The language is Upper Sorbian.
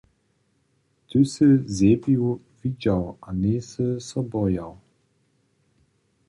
Ty sy sepiju widźał a njejsy so bojał.